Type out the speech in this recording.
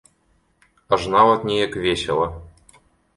Аж нават неяк весела.